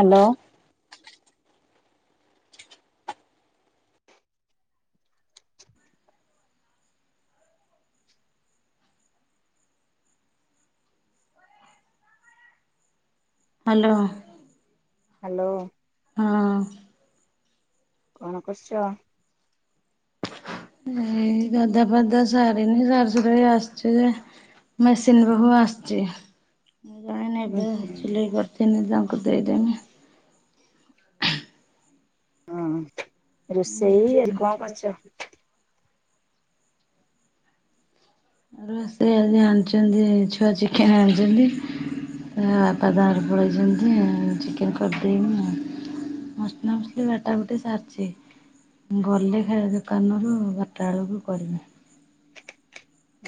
Hello. Hello. Hello. ହଁ। କଣ କରୁଚ। ଏଇ ଗାଧୁଆ ପାଧୁଆ ସାରିନି ସାରିସୁରାକି ଆସିଚି ଯେ ମେସିନ୍ ପାଖକୁ ଆସିଚି। ଜଣେ ଉଁ ନେବେ ହୁଁ ସିଲେଇ କରିିଥୀନି ତାଙ୍କୁ ଦେଇଦେମି। ହଁ ରୋଷେଇ ଆଜି କଣ କରିଚ? ରୋଷେଇ ଆଜି ଆଣିଚନ୍ତି ଛୁଆ ଚିକେନ ଆଣିଚନ୍ତି। ତା ବାପା ତାଙ୍କର ପଳେଇଚନ୍ତି ଆଉ ଚିକେନ କରିଦେମି ଆଉ। ମସଲା ମସଲି ବାଟା ବାଟି ସାରିଚି। ଗଲେ ଖାଇବା ଦୋକାନରୁ ବାରଟା ବେଳକୁ କରିବି।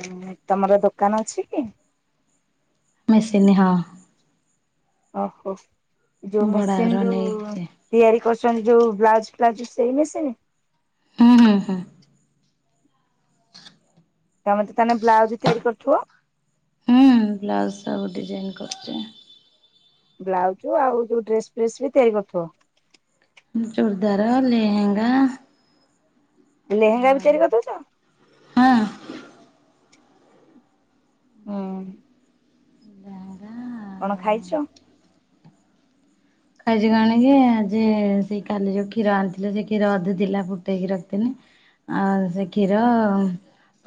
ଆଉ ତମର ଦୋକାନ ଅଛି କି? ମେସିିନି ହଁ। ଓହୋ ଯୋଉ ମେସିନ୍ ବଡ଼ଘର ଯୋଉ ନେଇଛି ତିଆରି କରୁଚନ୍ତି ଯୋଉ ବ୍ଲାଉଜ ଫ୍ଲାଉଜ ସେଇ ମେଶିନି। ହୁଁ ହୁଁ ହୁଁ। ତମେ ତ ତାହେନେ ବ୍ଲାଉଜ ତିଆରି କରୁଥିବ? ହୁଁ ବ୍ଲାଉଜ ସବୁ ଡିଜାଇନ କରୁଚି। ବ୍ଲାଉଜ୍ ଆଉ ଯୋଉ ଡ୍ରେସ୍ ଫେସ୍ ବି ତିଆରି କରିୁଥିବ? ହୁଁ ଚୁରଦାର, ଲେହେଙ୍ଗା ଲେହେଙ୍ଗା ବି ତିଆରି କରିଦୋଉଚ? ହଁ। ହୁଁ। କଣ ଖାଇଚ? ଖାଇଚି କଣକି ଆଜି ସେଇ କାଲି ଯୋଉ କ୍ଷୀର ଆଣିଥିଲେ ସେ କ୍ଷୀର ଅଧେ ଥିଲା ଫୁଟେଇକି ରଖିଥିନୀ। ଆଁ ସେ କ୍ଷୀର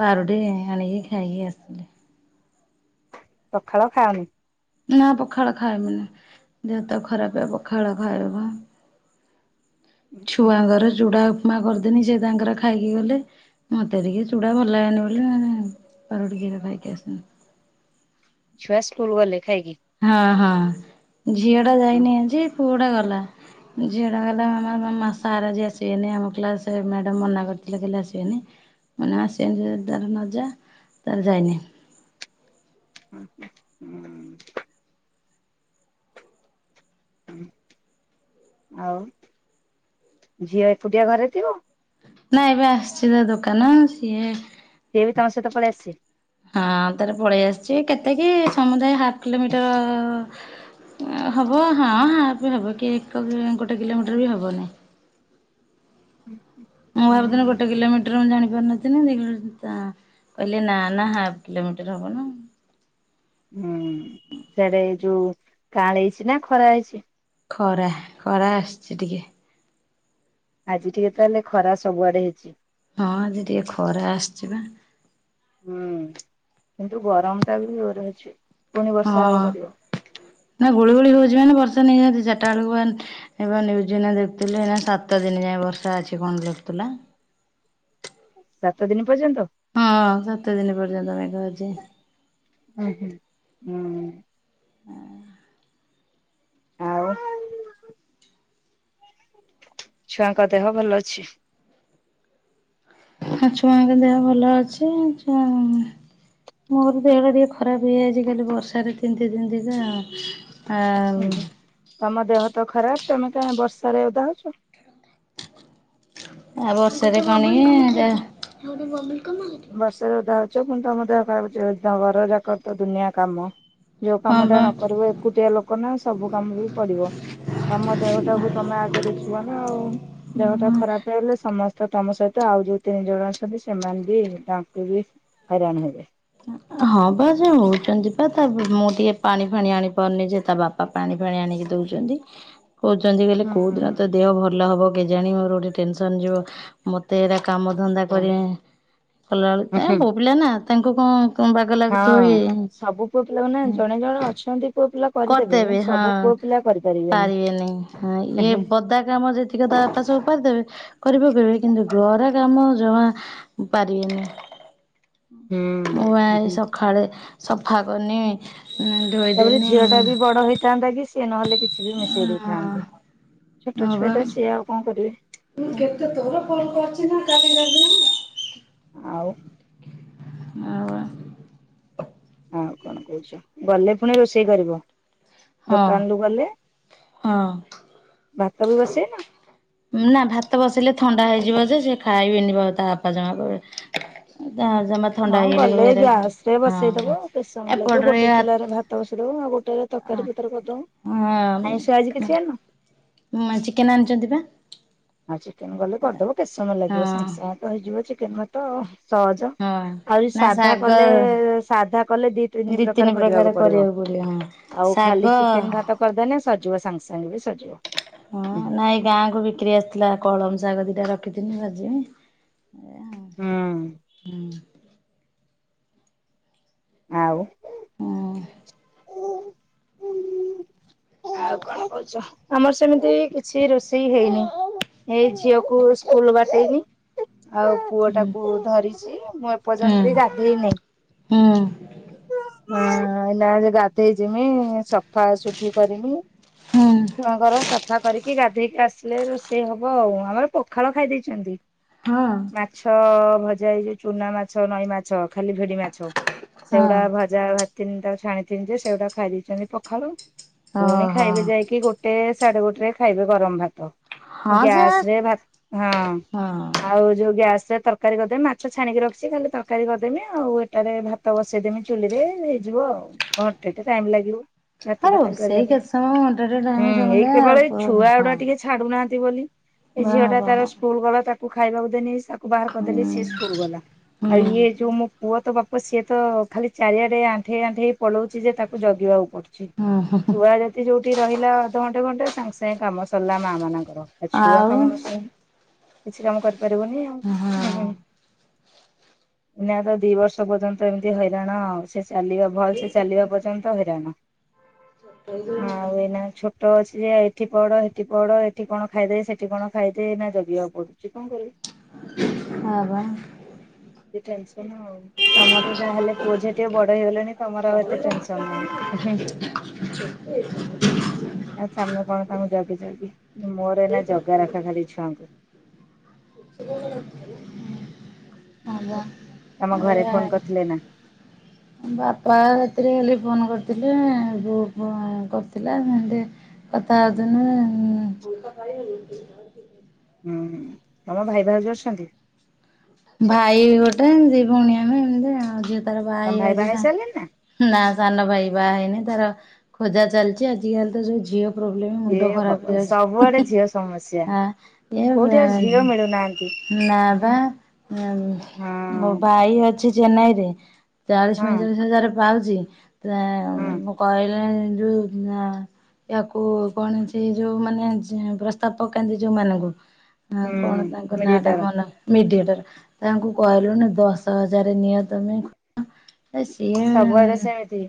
ପାରୁଟି ଆଣିକି ଖାଇକି ଆସିଲି। ସକାଳ ଖାଅନି? ନାଁ ପଖାଳ ଖାଏନି ଦେହତ ଖରାପେ ପଖାଳ ଖାଇବ ଛୁଆଙ୍କର ଚୁଡା ଉପମା କରିଦେନି ସେ ତାଙ୍କର ଖାଇକି ଗଲେ। ମତେ ଟିକେ ଚୁଡା ଭଲ ଲାଗେନି ବୋଲି ମୁଁ ପାରୁଟି କ୍ଷୀର ଖାଇକି ଆସିନି। ଛୁଆ ସ୍କୁଲ ଗଲେ ଖାଇକି? ହଁ ହଁ ଝିଅଟା ଯାଇନି ଆଜି ପୁଅଟା ଗଲା। ଝିଅଟା କଇଲା ମାମା ମାମା ସାର୍ ଆଜି ଆସିବେନି। ଆମ କ୍ଲାସ ମ୍ୟାଡ଼ମ୍ ମନା କରିଥିଲେ କହିଲେ ଆସିବେନି। ମୁଁ [unintelligible] ନା ସେମିତି ଯଦି ତାହେଲେ ନ ଯା ତାର ଯାଇନି। [inaudible] [inaudible] ଆଉ ଝିଅ ଏକୁଟିଆ ଘରେ ଥିବ? ନାଁଇ ଏବେ ଆସଚି ପା ଦୋକାନ। ସିଏ ସିଏ ବି ତମ ସହିତ ପଳେଇ ଆସଚି? ହଁ ତାର ପଳେଇ ଆସଚି କେତେକି ସମୁଦାୟ ହାପ୍ କିଲୋମିଟର ହବ ହଁ ହାପେ ହବ କି ଏକ କି ଗୋଟେ କିଲୋମିଟର ବି ହବନେଇଁ। ଉଁ ହୁଁ ମୁଁ ଭାବିଥିନି ଗୋଟେ କିଲୋମିଟର ମୁଁ ଜାଣି ପାରୁନଥିନି ଦେଖିଲା ବେଳକୁ ତା କହିଲେ ନା ନା ହାପ୍ କିଲୋମିଟର ହବ ନା। ହୁଁ ସିଆଡେ ଏ ଯୋଉ କାଁଳେଇଚି ନା ଖରା ହେଇଚି। ଖରା ଖରା ଆସଚି ଟିକେ। ଆଜି ଟିକେ ତାହାଲେ ଖରା ସବୁଆଡେ ହେଇଚି। ହଁ ଆଜି ଟିକେ ଖରା ଆସଚି ପା। ହୁଁ କିନ୍ତୁ ଗରମଟା ବି ଯୋର ଅଛି। ପୁଣି ବର୍ଷା ହବ ହଁ କରିବ ନା ଗୁଳୁ ଗୁଳି ହୋଉଚି ମାନେ ବର୍ଷା ନିହାତି ଚାରିଟା ବେଳକୁ [unintelligible] ଏଇପା ନିଉଜ ଏଇନା ଦେଖୁଥିଲି ଏଇନା ସାତ ଦିନ ଯାଏଁ ବର୍ଷା ଅଛି କଣ ଲେଖୁଥିଲା। ସାତ ଦିନ ପର୍ଯ୍ୟନ୍ତ। ହଁ ସାତ ଦିନ ପର୍ଯ୍ୟନ୍ତ ମେଘ ଅଛି। ଉଁ ହୁଁ ହୁଁ। ଆଉ ଛୁଆଙ୍କ ଦେହ ଭଲ ଅଛି? ହଁ ଛୁଆଙ୍କ ଦେହ ଭଲ ଅଛି ଛୁଆ ମୋର ଦେହ ଟା ଟିକେ ଖରାପ ହେଇଯାଇଚି କାଲି ବର୍ଷାରେ ତିନ୍ତି ତିନ୍ତି କା ହୁଁ ଆଉ। ହୁଁ। ତମ ଦେହ ତ ଖରାପ ତମେ କାହିଁ ବର୍ଷା ରେଓଦା ହୋଉଚ। ଆ ବର୍ଷରେ କଣ କି ଏଟା ବର୍ଷରେ ଓଦା ହଉଚ ପୁଣି ତମ ଦେହ କରାପ [unintelligible] ଘର ଯାକ ତ ଦୁନିଆ କାମ। ଯୋଉ ହଁ କାମ ଟା ନକରିବ ଏକୁଟିଆ ଲୋକ ନା ସବୁ କାମ ବି ପଡିବ। ତମ ଦେହ ଟାକୁ ତମେ ଆଗେ ଦେଖିବ ନା ଆଉ। ଦେହଟା ବା ଖରାପ ହେଇଗଲେ ସମସ୍ତେ ତମ ସହିତ ଆଉ ଯୋଉ ତିନି ଜଣ ଅଛନ୍ତି ସେମାନେ ବି ତାଙ୍କୁ ବି ହଇରାଣ ହେବେ। ହଁ ପା ସେ ହେଉଚନ୍ତି ପା ତା ମୁଁ ଟିକେ ପାଣି ଫାଣି ଆଣିପାରୁନି ଯେ ତା ବାପା ପାଣି ଫାଣି ଆଣିକି ଦେଉଚନ୍ତି। କହୁଚନ୍ତି କହିଲେ ହୁଁ। କୋଉଦିନ ତୋ ଦେହ ଭଲ ହବ। କେଜାଣି ମୋର ଗୋଟେ ଟେନସନ୍ ଯିବ ମତେ ହେରା କାମ ଧନ୍ଦା କରି କଲାବେଳୁ ଉଁ ତାଙ୍କେ ହୁଁ ପୁଅ ପିଲା ନା ତାଙ୍କୁ କଣ କଣ ବାଗ ହଁ ଲାଗୁଥିବ ଇଏ ସବୁ ପୁଅ ପିଲା ମାନେ ଜଣେ ଜଣେ ଅଛନ୍ତି ପୁଅ ପିଲା କରିଦେବେ ହଁ ସବୁ ପୁଅ ପିଲା କରିପାରିବେନି। ପାରିବେନି ହଁ ହୁଁ ଇଏ ବଦା କାମ ଯେତି ଯେତିକ ତା ବାପା ସବୁ କରିଦେବେ କରି ପକେଇବେ କିନ୍ତୁ ଘରେ କାମ ଯମା ପରାରିବେନି। ମୁଁ ପା ଆଜି ହୁଁ। ସକାଳେ ସଫା କନି ଧୋଇଦେନି। ଟ ବି ବଡ ହେଇଥାନ୍ତା କି ସିଏ ନହେଲେ କିଛି ବି ମିଶେଇ ହଁ ଦେଇଥାନ୍ତେ ଛୋଟ ଛୁଆ ଟା ସେ ସେ ଆଉ କଣ କରିବେ। ମୁଁ କେତେ ତୋର ଫୋନ କରଚି ନା [unintelligible] ଆଉ ଆଉ ବା ଆଉ କଣ କହଚୁ ଗଲେ ପୁଣି ରୋଷେଇ କରିବ? ହଁ ଦୋକାନରୁୁ ଗଲେ ହଁ ଭାତ ବି ବସେଇନ? ନା ଭାତ ବସେଇଲେ ଥଣ୍ଡା ହେଇଯିବ ଯେ ସେ ଖାଇବିନି ବ ତା ବାପା ଜମା ବି ଯାହା ଜମା ଥଣ୍ଡା ହଁ ହେଇଗଲେ ଗଲେ କହିବେ ଗ୍ୟାସ ରେ ହଁ ବସେଇଦବ କେତେ ସମୟ ଲାଗବ ଏପଟରେ ଗୋଟେ ହଁ ଚୁଲାରେ ଭାତ ଭାତ ବସେଇଦବ ଆଉ ଗୋଟେରେ ତରକାରୀ ପତର କରିଦବ ଆଇଁଷ ଆଜି କିଛି ଆଣିନ? ଉମ ଚିକେନ୍ ଆଣିଚନ୍ତି ପା। ଆଉ ଚିକେନ ଗଲେ କରିଦବ କେତେ ସମୟ ଲାଗିବ ସାଙ୍ଗେ ହଁ ସାଙ୍ଗେ ତ ହେଇଯିବ ଚିକେନ ଭାତ ଆଉ। ସହଜ ହଁ ଆହୁରି ନା ସାଧା ଶାଗ କଲେ ସାଧା କଲେ ଦି ତିନି ପ୍ରକାର କରିବାକୁ ପଡିବ। ଆଉ ଶାଗ ଖାଲି ଚିକେନ ଭାତ କରିଦେଲେ ସରଜିବ ସାଙ୍ଗେ ସାଙ୍ଗେ ବି ସରଜିବ। ହଁ ନାଇଁ ଗାଁ କୁ ବିକ୍ରି ଆସିଥିଲା କଳମ ଶାଗ ଦିଟା ରଖିଥିନି ଭଜିିବି। ହୁଁ। ଆଉ ଆମର ସେମିତି କିଛି ରୋଷେଇ ହେଇନି। ଏଇ ଝିଅକୁ ସ୍କୁଲ ବାଟେଇଲି। ଆଉ ପୁଅ ଟାକୁ ଧରିଚି ମୁଁ ହୁଁ ହୁଁ ଏପର୍ଯ୍ୟନ୍ତ ବି ଗା ଗାଧେଇନି ହୁଁ ଅଁ ଅଇଲେ ଆଗେ ଗାଧେଇ ଜିମି ସ ସଫାସୁଫି କରିନି ହୁଁ। ଛୁଆଙ୍କର ସାଫ ଠା ପାରିକି ଗାଧେଇକି ଆସିଲେ ରୋଷେଇ ହବ ଆଉ ଆମର ପଖାଳ ଖାଇ ଦେଇଛନ୍ତି। ହଁ। ମାଛ ଭଜା ହେଇ ଯୋଉ ଚୁନା ମାଛ ନଈ ମାଛ ଖାଲି ଭିଡି ମାଛ ହଁ ସେଗୁଡା ଭ ଯାହା ଭା ତିନଟା ଛାଣିଥିନି ଯେ ସେଗଟା ଖାଇ ଦେଇଛନ୍ତି ପଖାଳ ପୁଣି ଓହୋ ଖାଇବେ ଯାଇକି ଗୋ ଗୋଟେ ସାଢେ ଗୋଟେ ରେ ଖାଇବେ ଗରମ ଭାତ ହଁ ସେ ଗ୍ୟାସ ରେ ଭାତ ହଁ। ଆଉ ଯୋଉ ଗ୍ୟାସ ରେ ତରକାରୀ କରିଦେବି ମାଛ ଛାଣିକି ରଖିଛି ଖାଲି ତରକାରୀ କରିଦେମି ଆଉ ଏଟାରେ ଭା ତ ବସେଇଦେମି ଚୁଲିରେ ହେଇଯିବ ଆଉ ଘଣ୍ଟେ ଟେ ଟାଇମ ଲାଗିବ ଭାତ ହଁ ତରକାରୀ କରିବା ରୋଷେଇ ପାଇଁ କେତେ ସମୟ ଘଣ୍ଟାଟେ ଟାଇମ ହୁଁ ଏଇ ସମୁଦାୟ ଆଉ କେବଳ ଏଇ ହଁ। ଛୁଆ ଗୁଡା ଟିକେ ଛାଡୁନାହାନ୍ତି ବୋଲି ଏ ବା ଝିଅଟା ବା ତାର ସ୍କୁଲ ଗଲା ତାକୁ ଖାଇବାକୁ ଦେନି ସା ବାହାର ହୁଁ କରିଦେଲି ସିଏ ସ୍କୁଲ ଗଲା। ହୁଁ। ହୁଁ ଆଉ ଇଏ ଯୋଉ ମୋ ପୁଅ ତ ବାପ ସିଏ ତ ଖାଲି ଚାରିଆଡେ ଆଣ୍ଠେଇ ଆଣ୍ଠେଇ ପଳଉଛି ଯେ ତାକୁ ଜଗିବାକୁ ପଡୁଛି ହୁଁ ହୁଁ ଛୁଆ ଡେ ସେ ଯୋଉଠି ରହିଲା ଅଧଘଣ୍ଟେ ଘଣ୍ଟେ ସାଙ୍ଗେସାଙ୍ଗେ କାମ ସଲା ମା ମାନ ଆଉ ଛୁଆ ଆଉ କାମ ନ ସଲେ କିଛି କାମ କରିପାରିବନି ଆଉ ହଁ ଉଁ ହୁଁ। ଏଇନା ତ ଦି ବର୍ଷ ପର୍ଯ୍ୟନ୍ତ ଏମିତି ହଇରାଣ ଆଉ ସେ ଚାଲିବ ଭଲ ସେ ଚାଲିବା ପର୍ଯ୍ୟନ୍ତ ହଇରାଣ ଆଉ ଏଇନା ଛୋ ଟ ଅଛି ଯେ ଏଠି ପଢ ହେଠି ପଢ ଏଠି କଣ ଖାଇଦେ ସେଠି କଣ ଖାଇଦେ ଏଇନା ଜଗିବାକୁ ପଡୁଛି କଣ କରିବି। ହଁ ବା। ଟେନସନ୍ ଆଉ ତମର ତ ଯାହାହେଲେ ପୁଅ ଝିଅ ଟିକେ ବଡ ହେଇଗଲେଣି ତମର ଆଉ ଏତେ ଟେନସନ ନାହିଁ ଉଁହୁଁ ଆଉ ସାମେ କଣ ତାଙ୍କୁ ଜଗିଚକି ମୋର ଏଇନା ଜଗା ରଖା ଖାଲି ଛୁଆଙ୍କୁ। ହଁ ବା ଓଃ ତମ ଘରେ ଏଇଆ ଫୋନ କରିଥିଲେ ନା? ବାପା ରାତିରେ ଖାଲି ଫୋନ କରିଥିଲେ ବୋଉ ଫୋନ୍ କରିଥିଲା ସେମତି କଥା ହଉଥିନେ [unintelligible] ହୁଁ ହୁଁ ତମ ଭାଇ ଭାଉଜ ଅସନ୍ତି? ଭାଇ ଗୋଟେ ଦି ଭଉଣୀ ଆମେ ଏମତି ଆଉ ଝିଅ ତାର ବାହା ତମ ଭାଇ ହେଇଯାଇଛି ତା। ହେଇ ସାରିଲେଣି ନା? ନା ସାନ ଭାଇ ବା ହେଇନି ତାର ଖୋଜା ଚାଲିଛି ଆଜିକାଲି ତ ଯୋଉ ଝିଅ ପ୍ରୋବ୍ଲେମ ଏ ମୁଣ୍ଡ ଖରାପ ଭଗବାନ ହେଇଯାଉଛି ହୁଁ ସବୁଆଡେ ଝିଅ ସମସ୍ୟା ହୁଁ ଆ ଏ କୋଉଠି ବା ଆଉ ଝିଅ ମିଳୁନାହାନ୍ତି। ନାଁ ହଁ ବା ଉଁ ମୋ ଭାଇ ଅଛି ଚେନ୍ନାଇରେ। ଚାଳିଶ ହଁ ପଇଁଚାଳିଶି ହଜାର ପାଉଚି ତା ହଁ। କହିଲେଣି ଯୋଉ ନା ୟାକୁ କଣ ସେଇ ଯୋଉ ମାନେ ଯେ ପ୍ରସ୍ତାବ ପକାନ୍ତି ଯୋଉମାନଙ୍କୁ ଆଉ ହୁଁ କଣ ତାଙ୍କ ନାଁଟା ମିଡିଏଟର ମନ ମିଡିଏଟର ତାଙ୍କୁ କହିଲୁନି ଦଶ ହଜାର ନିଅ ତମେ ଏ ସିଏ ଉଁ ସବୁଆଡେ ଉଁ। ସେମିତି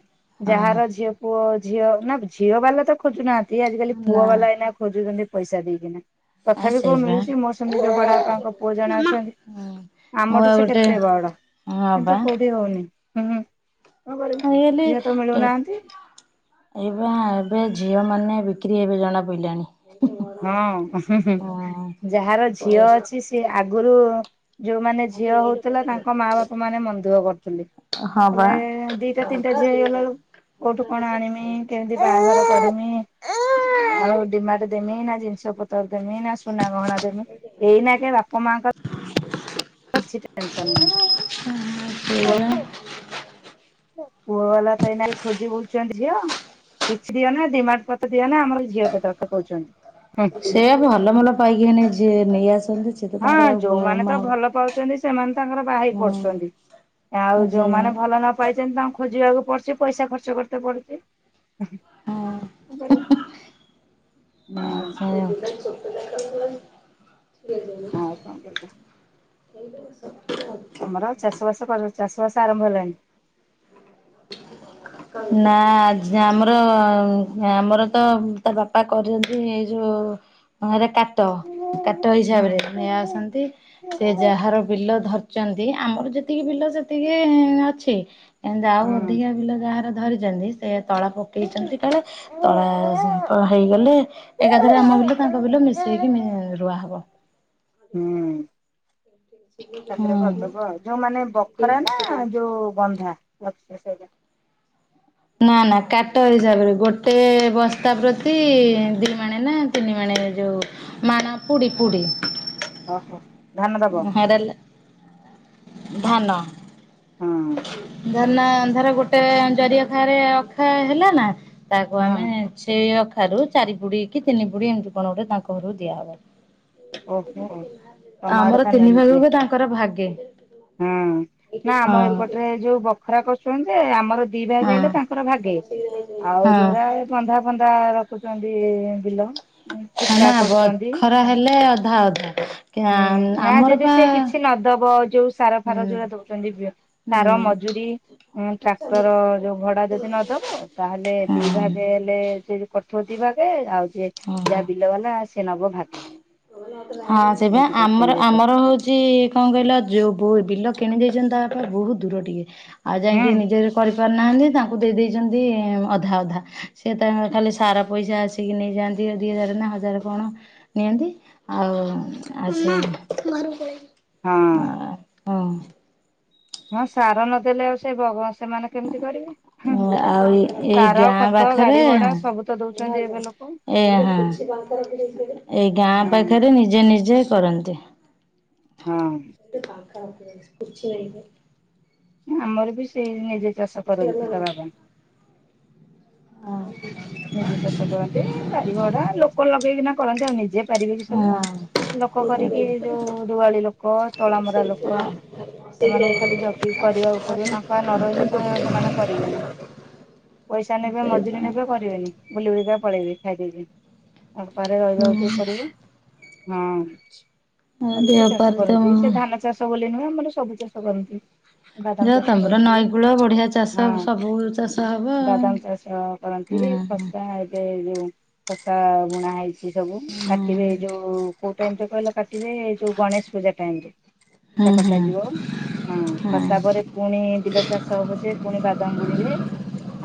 ଯାହାର ଝିଅପୁଅ ଝିଅ ନା ଝିଅ ବାଲା ତ ଖୋଜୁନାହାନ୍ତି ଆଜିକାଲି ନା ପୁଅ ବାଲା ଏଇନା ଖୋଜୁଛନ୍ତି। ପଇସା ଦେଇକିନା ଆ ତଥାପି କୋଉ ସେଇବା ମିଳୁଚି ମୋର ସେମତି ଜଣେ ବଡାପାଙ୍କ ପୁଅ ଜଣେ ଅଛନ୍ତି ମୁଁ ଆମଠୁ ଆଉ ସେ ଗୋଟେ କେତେ ବଡ ହଁ ବା କିନ୍ତୁ କୋଉଠି ହଉନି ହୁଁ ହୁଁ। କଣ କରିବୁ ଏହିଲି ଝିଅ ତ ଟେ ମିଳୁନାହାନ୍ତି ଏଇବା ଏବେ ଝିଅମାନେ ବିକ୍ରି ହେବେ ଜଣାପଇଲାଣି। ହଁ ଉଁ ହୁଁ ହୁଁ ଯାହାର ଝିଅ ପଇସା ଅଛି ସିଏ ଆଗୁରୁ ଯୋଉମାନେ ଝିଅ ହଉଥୁଲା ତାଙ୍କ ମା ବାପ ମାନେ ମନଦୁଃଖ କରୁଥିଲେ। ହଁ ହେଲେ ବା ଦିଟା ତିନିଟା ଝିଅ ହେଇଗଲା ଅଳୁ କୋଉଠୁ କଣ ଆଣିମି କେମିତି ବାହାଘର କରମି ଆଉ ଡିମାଟେ ଦେମି ନା ଜିନିଷ ପତର ଦେମି ନା ସୁନା ଗହଣା ଦେମି ଏଇନାକେ ବାପ ମାଙ୍କ ର କିଛି ଟେନସନ୍ ନାହିଁ ସେଇବା ପୁଅ ପୁଅ ବାଲା ତ ଏଇନା ଖୋଜି ବୁଲୁଚନ୍ତି ଝିଅ। କିଛି ଦିଅନା ଡିମାଟ ପତ୍ର ଦିଅନା ଆମର ଝିଅଟେ ଦରକାର କହୁଛନ୍ତି ହୁଁ। ସେଇଆ ଭଲ ଭଲ ପାଇକି ହେନେ ଯିଏ ନେଇ ଆସନ୍ତି। ସେ ତ ହଁ ତାଙ୍କର ଆଉ ଯୋଉମାନେ ମା ତ ଭଲ ପାଉଛନ୍ତି ସେମାନେ ତାଙ୍କର ବାହେଇ ପଡୁ଼ଚନ୍ତି। ହଁ ଆଉ ସେ ଯୋଉମାନେ ଭଲ ନ ପାଇଚନ୍ତି ତାଙ୍କୁ ଖୋଜିବାକୁ ପଡ଼ୁଚି ପଇସା ଖର୍ଚ୍ଚ କରିତେ ପଡ଼ୁଚି। କଁ କରିବ? ହୁଁ। ଏ ଉଁ [inaudible] ଆଉ କଣ କରୁଚ? ସେଇଟା ସତ। ଆମର ଚାଷବାସ କର ଚାଷବାସ ଆରମ୍ଭ ହେଲାଣି। ନାଁ ଯେ ଆମର ଆଉ ଆମର ତ ତା ବାପା କରିଛନ୍ତି ହେଇ ଯୋଉ ଅଁ ଏରା କାଟ ହୁଁ କାଟ ହିସାବରେ ହୁଁ। ନେଇ ଆସନ୍ତି‌। ସେ ଯାହାର ବିଲ ଧରଚନ୍ତି ଆମର ଯେତିକି ବିଲ ସେତିକି ଅଛି। ଯାଉ ଅଧିକା ବିଲ ଯାହାର ଧରିଚନ୍ତି ସେ ତଳା ପକେଇଚନ୍ତି କାଳେ ହୁଁ ତଳା ହେଇଗଲେ ଏକାଥରେ ଆମ ବିଲ ତାଙ୍କ ବିଲ ମିଶେଇକି ମି ରୁଆହବ। ହୁଁ। ଏକା ଥରେ ହୁଁ କରିଦବ ଆଉ। ଯୋଉ ମାନେ ବଖରା ନାଁ ଯୋଉ ବନ୍ଧା? ଲକ୍ଷେ ସେଇଲା। ନାଁ ନାଁ କାଟ ହିସାବରେ ଗୋଟେ ବସ୍ତା ପ୍ରତି ଦମାଣେ ନାଁ ତିନି ମାଣେ ଯୋଉ ମାଣ ପୁଡି଼ ପୁଡ଼ି। ଅହ। ଉଁ ହେରେଲ ଧାନ। ହଁ। ଧରନା ଧର ଗୋଟେ ଜରିଆଖରେ ଅଖେ ହେଲା ନା ତାକୁ ଆମେ ହଁ ସେଇ ଅଖାରୁ ଚାରିପୁଡି଼ କି ତିନି ପୁଡି଼ ଏମିତି କଣ ଗୋଟେ ତାଙ୍କ ହରୁ ଦିଆ ହବ। ଓହୋ ତମ ଆଡେ ଆମର ତିନି ଭାଗକୁ ତାଙ୍କର ଭାଗେ। ହୁଁ ନାଁ ଆମ ହଁ ଏପଟରେ ଯୋଉ ବଖରା କରୁଛନ୍ତି ଯେ ଆମର ଦି ହଁ ଭାଗେ ହେଲେ ତାଙ୍କର ଭାଗେ। ଆଉ ହଁ। ଯୋଉରା ଏ ବନ୍ଧା ଫନ୍ଧା ରଖୁଚନ୍ତି ବିଲ ଏଁ ଠିକା ନା କରୁଚନ୍ତି। ବଖରା ହେଲେ ଅଧା ଅଧା ହୁଁ ନାଁ ଆମର ଯଦି ପା ସିଏ କିଛି ନଦବ ଯୋଉ ସାର ହୁଁ ଫାର ଯୋଉରା ଦୋଉଚନ୍ତି ବି ହୁଁ ସାର ମଜୁରୀ ଉଁ ଟ୍ରାକ୍ଟର ଯୋଉ ଭଡ଼ା ଯଦି ନଦବ ତାହେଲେ ଦି ହଁ। ଭାଗେ ଏଲେ ଯିଏ କରିଥିବ ଦି ଭାଗେ ଆଉ ଯିଏ ଓହୋ ଯାହା ବିଲ ବାଲା ସିଏ ନବ ଭାଗେ। ହଁ ସେପା ଏମିତି ଆମର କରୁଛନ୍ତି ଆମର ଏପଟେ ହଉ ଚି କଁ କହିଲା ଯୋଉ ବୋଉ ବିଲ କିଣି ଦେଇଚନ୍ତି ତା ବାପା ବହୁ ଦୂର ଟିକେ ଆଉ ହୁଁ ଯାଇଁକି ନିଜେ ରୋ କରିପାରୁନାହାନ୍ତି ତାଙ୍କୁ ଦେଇ ଦେଇଚନ୍ତି ଅଧା ଅଧା। ସିଏ ତା ଖାଲି ସାରା ପଇସା ଆସିକି ନେଇଯାଆନ୍ତି ଦି ହଜାରେ ନା ହଜାରେ କଣ ନିଅନ୍ତି। ହଉ ଆଚ୍ଛା ହଁ। ହଁ। ହଁ ସାର ନଦେଲେ ଆଉ ସେ ବବସ୍ ସେମାନେ କେମତି କରିବେ ହୁଁ ହଁ ଆଉ ଏଇ ସାର ଗାଁ ଖତ ପାଖରେ ଗାଡି ଭଡା ସବୁ ତ ଦଉଚନ୍ତି ଏବେ ଲୋକ। ଏଁ ଆଁ ହାଁ ଏଇ ଗାଁ ହଁ ପାଖେରେ ନି ଜେ ନିଜେ କରନ୍ତି। ହଁ। [unintelligible] ଉଁ ଆମର ବି ସେ ନିଜେ ଚାଷ ସେଇବା କରନ୍ତି ବାବା ପାଇଁ। ଆଉ ନିଜେ ଚାଷ କରନ୍ତି ଗାଡି ଭଡା ଲୋକ ଲଗେଇକିନା କରନ୍ତି ଆଉ ନିଜେ ପାରିବେ କି ସବୁ। ହଁ। ଲୋକ କରିକି ଯୋଉଁ ଦୁଆଳି ଲୋକ ତଳି ମରା ଲୋକ ଏମାନଙ୍କୁ ଖାଲି ଜଗ୍ କି କରିବାକୁ ପଡିବ ତାଙ୍କ ଆ ନ ରହିଲେ ତ ସେମାନେ କରିବେନି। ପଇସା ନେବେ ମଜୁରୀ ନେବେ କରିବେନି ବୁଲି ବୁଲିକ ପଳେଇବି ଖାଇ ପିଇକି ଆଉ ପାରେ ହୁଁ [unintelligible] କରିବ। ହଁ ଆମର ବି ଦେହ ସିଏ ଚାଷ ପାରେ ତ କରନ୍ତି ସେ ଧାନ ଚାଷ ତ ବୋଲି ନୁହଁ ଆମର ସବୁ ଚାଷ କରନ୍ତି। ଯ ବାଦାମ ଚାଷ ତମର କରନ୍ତି ନଈକୂଳ ବଢିଆ ଚାଷ ହଁ ସବୁ ଚାଷ ଉଁ ହବ ଆଉ। ବାଦାମ ଚାଷ କରନ୍ତ୍ ତି ଖସା ଏବେ ଯୋଉ ଖସା ବୁଣା ହେଇ ଚି ସବୁ ହୁଁ ହୁଁ କାଟିବେ ଏ ଯୋଉ କୋଉ ଟାଇମରେ କହିଲ କାଟିବେ ଏ ଯୋଉ ଗଣେଶ ପୂଜା ଟାଇମରେ। ହୁଁ ଖସା କଟା ହେଇଯିବ। ହଁ ହୁଁ ହୁଁ ଖସା ପରେ ପୁଣି ବିଲ ଚାଷ ହବ ଯେ ପୁଣି ବାଦାମ ବୁଣିବେ।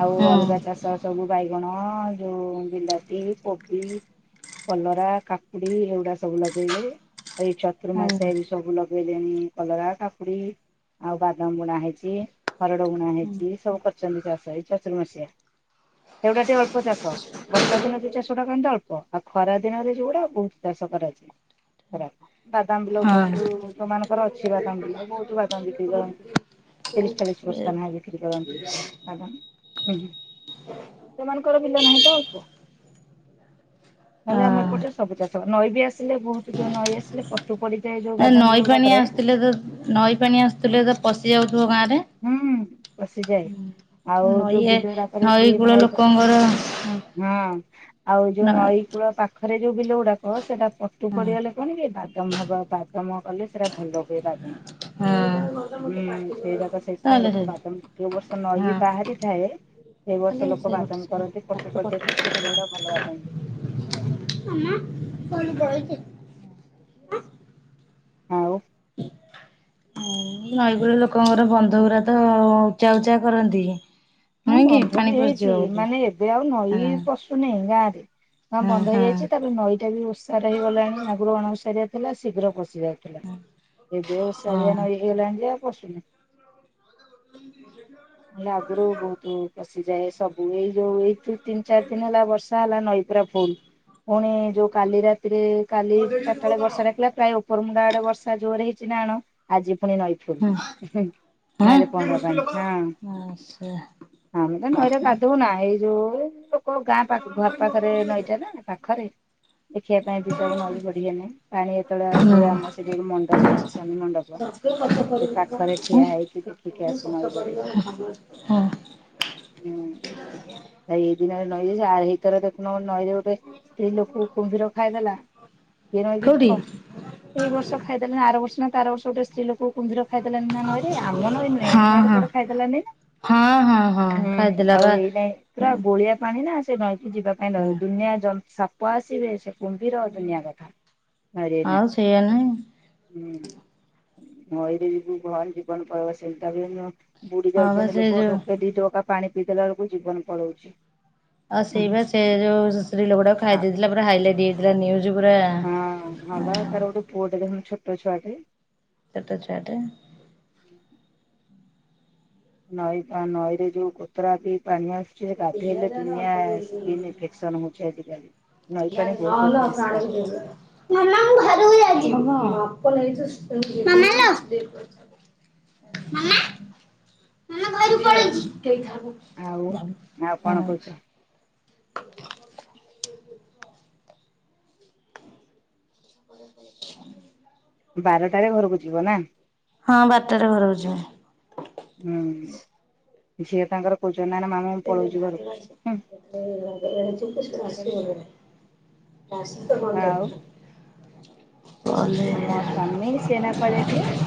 ଆଉ ହୁଁ ଅଲଗା ଚାଷ ସବୁ ବାଇଗଣ ଯୋଉ ବିଲାତି କୋବି କଲରା କାକୁଡି ଏଉଡା ସବୁ ଲଗେଇବେ ଏଇ ଚ ର୍ତୁ ଆଉ ମାସେରେ ବି ସବୁ ଲଗେଇଲେଣି କଲରା କାକୁଡି ଆଉ ବାଦାମ ବୁଣା ହେଇଚି। ହରଡ ବୁଣା ହେଇଚି ସବୁ କରିଚନ୍ତି ଚାଷ ଏଇ ଚର୍ତୁମାସିଆ ଏଉଡା ଟିକେ ଅଳ୍ପ ଚାଷ ବର୍ଷା ଦିନରେ ଯୋଉ ଚାଷଟା ହୁଅନ୍ତା ଅଳ୍ପ। ଖରା ଦିନରେ ଯୋଉଗୁଡା ବୋହୁତ ଚାଷ କରାଯାଏ। ଖରା ବାଦାମ ବିଲ ହଁ। ବୋହୁତୁ ଯୋଉମାନଙ୍କର ଅଛି ବାଦାମ ବିଲ ବୋହୁତୁ ବାଦାମ ବିକ୍ରି କରନ୍ତି। ତିରିଶ ଚାଳିଶ ବସ୍ତା [unintelligible] ବିକ୍ରି କରନ୍ତି [unintelligible] କଣ ଉଁ ହୁଁ। ହ ସେମାନଙ୍କର ବିଲ ନାହିଁ ତ ଅଳ୍ପ ହେଲେ ଆମ ହଁ। ଏପଟେ ସବୁ ଚାଷ ନଈ ବି ଆସ୍ ସିଲେ ବୋହୁତୁ ଯୋଉ ନଈ ଆସିଲେ ପଟୁ ପଡିଯାଏ ଯୋଉ ବାଦାମ ନଈ ବିଲଗୁଡାକରେ [unintelligible] ନଈ ପାଣି ଆସୁଥୁଲେ ତ ପଶିଯାଉଥୁବ ଗାଁରେ। ହୁଁ ପଶିଯାଏ ଆଉ ନଈ ଯୋଉ ବିଲଉଡାକରେ ସିଏ କୂଳ ନଈ ପ ଲୋକଙ୍କର [unintelligible] ଆଉ ଯୋଉ ନା ନଈ କୂଳ ପା ଖରେ ଯୋଉ ବିଲଗୁଡାକ ସେଇଟା ପଟୁ ହଁ ପଡିଗଲେ କଣ କି ବାଦାମ ଭଲ ହ [unintelligible] ତମ କଲେ ସେଇଟା ଭଲ ହୁଏ ବା ହୁଁ। କାଇଁ ଲୋକ ବାଦାମ ଯୋଉ ବର୍ଷ ନହି ବାହାରିଥାଏ ଏ ଖାଲି ବର୍ଷ ଲୋକ ସେ ଗୋଟେ ବାଦାମ କରନ୍ତି ପଟୁ ପଡିଯାଏ ଥାଏ ସେ ବିଲଗୁଡା ଭଲ ବାଦାମ ହୁଏ। [unintelligible] ଆଉ ନଇ କୂଳ ଲୋକଙ୍କର ବନ୍ଧ ଗୁରା ତ ଉଚା ଉଚ୍ଚା କରନ୍ତି। ହଁ ନୁହେଁ କି ବନ୍ଧ ପାଣି ବି ପଶିଯିବ ହେଇଛି ବୋଲି ମାନେ ଏବେ ଆଉ ନଈ ପସ ଶୁ ନେଇ ଗାଁ ରେ ହଁ ବନ୍ଦ ହେଇଯାଇଚି ତାପରେ ନଈଟା ବି ଓସ୍ ସାରିଆ ହେଇଗଲାଣି ଆଗରୁ ଅଣ ଓସାରିଆ ଥିଲା ଶୀଘ୍ର ପଶି ଯାଉଥିଲା ଏବେ ହଁ। ଓସାରିଆ ନଈ ହେଇଗଲାଣି ଯେ ଆଉ ପଶୁନି ହେଲେ ଆଗରୁ ବହୁତ ପଶିଯାଏ ସବୁ ଏଇ ଯୋଉ ଏଇ ଯୋଉ ତିନି ଚାରି ଦିନ ହେଲା ବର୍ଷା ବର୍ଷା ହେଲା ନଈପୁରା ଫୁଲ ପୁଣି ଯୋଉ କାଲି ରାତିରେ କାଲି ଚାରିଟା ବେଳେ ବର୍ଷା ଡାକିଲା ପ୍ରାୟ ଉପରମୁଣ୍ଡ ଆଡେ ବର୍ଷା ଜୋରେ ହେଇଛି ନା ଆଣ ଆଜି ପୁଣି ନଈ ଫୁଲ ନଈରେ ପହଁରା ପାଣି ହଁ [unintelligible] ଆମେ ତ ନଈରେ ଗାଧଉନା ଏଇ ଯୋଉ ଏ କୋ ଗାଁ ପାଖ ଘର ପାଖରେ ନଈଟା ନା ପାଖରେ। ଦେଖିବା ପାଇଁ ବି ଯାଉ ନଇ ବଢି ହେଲେ ପାଣି ଯେତେବେଳେ ଆସେ ଆମର ସେଇଠି ଗୋଟେ ମଣ୍ଡପ ଅଛି ଶନି ମଣ୍ଡପ ସେ ପାଖରେ ଠିଆ ହେଇକି ଦେଖିକି ଆସୁ ନଈ ବଢି [unintelligible] ହୁଁ ହେଇ ଦିଜନ ନଈରେ ଯା ଭିତର ଦେଖୁନୁ ନଈରେ ଗୋ ଟେ ସ୍ତ୍ରୀ ଲୋକକୁ କୁମ୍ଭୀର ଖାଇଦେଲା କିଏ ନଇକି କୋଉଠି ଯିବ। ଏଇ ବର୍ଷ ଖାଇଦେ ନା ଆର ବର୍ଷ ନା ତା ଆର ବର୍ଷ ଗୋଟେ ସ୍ତ୍ରୀ ଲୋକକୁ କୁମ୍ଭୀର ଖାଇଦେଲାନି ନା ନଈରେ ଆମ ନଈ ନୁହେଁ ହଁ ହିଆଡେ ହଁ କୁଆଡ଼େ ଖାଇଦେଲାନି ନା। ହଁ ହଁ। ହଁ ହୁଁ ଖାଇଥିଲା ଆଉ ବା ଏଇନେ ପୁରା ଗୋଳିଆ ପାଣି ନା ସେ ନଈକି ଯିବା ପାଇ ଡର ହଁ ଦୁନିଆ ଜନ ସାପ ଆସିବେ ସେ କୁମ୍ଭୀର ଦୁନିଆ କଥା ନଇରେ ଏନା। ଆଉ ସେଇଆ ନାହିଁ ହୁଁ ନଇରେ [unintelligible] ହ ବା ସେଇ ଯୋଉ ସେ ଦି ଢୋକା ପାଣି ପିଇ ଦେଲା ବେଳକୁ ଜୀବନ ପଳଉଛି। ଆଉ ସେଇ ବା ସେ ଯୋଉ ଶୁ ସ୍ତ୍ରୀ ଲୋକଟାକୁ ଖାଇ ଦେଇଥିଲା ପୁରା ହାଇଲାଇଟ ହେଇଥିଲା ନିଉଜ ପୁରା ହଁ ହଁ ବା ତାର ଗୋଟେ ପୁଅଟ ଦେଖୁନୁ ଛୋଟ ଛୁଆଟେ। ଛୋଟ ଛୁଆଟେ। ନଈ ତା ନଈରେ ଯୋଉ ଗୋତରା ବି ପାଣି ଆସ ସେ ଗାଧେଇଲେ ଦୁନିଆ ସ୍କିନ୍ ନହେଲେ ଇନଫେକ୍ସନ ହଉଛି ଆଜିକାଲି। ନଈ ପାଣି ବହୁତ ଅପରିଷ୍କାର [inaudible] ନହଲେ [unintelligible] ହୁଁ [unintelligible] [unintelligible] ଆଉ ଆଉ କଣ କହୁଛ ହଁ। [inaudible] ବାରଟାରେ ଘରକୁ ଯିବ ନା। ହଁ ବାରତାରେ ଘରକୁ ଯିମି। ହୁଁ ସିଏ ତାଙ୍କର କୋଉଚନ ନା କଣ [unintelligible] ହୁଁ [unintelligible] ଆଉ ତମ ସ୍ଵାମୀ ସିଏ ଏଇନା କୁଆଡେ ଯାଇଥିଲେ? [unintelligible]